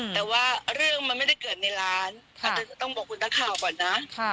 แต่ว่าเรื่องมันไม่ได้เกิดในร้านอาจจะต้องบอกคุณนักข่าวก่อนนะ